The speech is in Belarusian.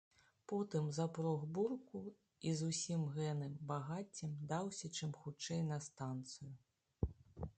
Потым запрог бурку і з усім гэным багаццем даўся чым хутчэй на станцыю.